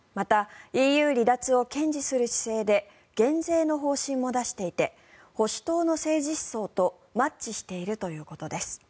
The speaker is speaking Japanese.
またＥＵ離脱を堅持する姿勢で減税の方針も出していて保守党の政治思想とマッチしているということです。